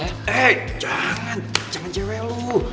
eh jangan jangan cewek lu